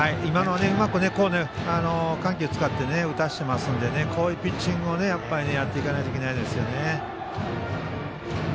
うまく緩急使って打たせていますのでこういうピッチングをやっていかないといけないですね。